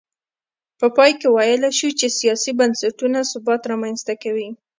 په پای کې ویلای شو چې سیاسي بنسټونه ثبات رامنځته کوي.